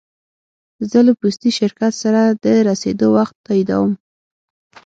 زه له پوستي شرکت سره د رسېدو وخت تاییدوم.